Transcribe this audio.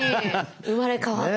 生まれ変わった。